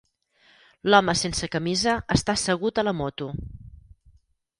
L'home sense camisa està assegut a la moto.